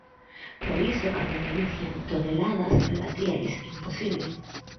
Por iso cando me dicían "toneladas", rebatíalles "imposible".